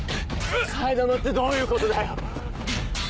替え玉ってどういうことだよ。